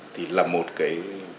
thì là một cái